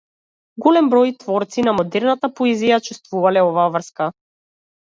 Голем број творци на модерната поезија ја чувствувале оваа врска.